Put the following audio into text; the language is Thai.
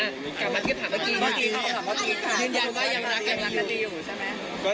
โอ้ยบ้า